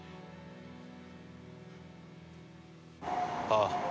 ああ。